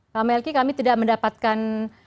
pak melki kami tidak mendapatkan